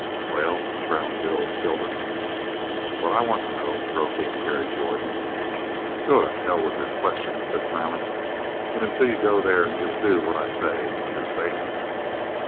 "Well?" growled Bill Kilduff. "What I want to know " broke in Terry Jordan. "Go to hell with your questions," said Silent, "but until you go there you'll do what I say, understand?"